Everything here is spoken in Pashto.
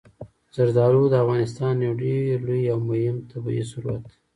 زردالو د افغانستان یو ډېر لوی او مهم طبعي ثروت دی.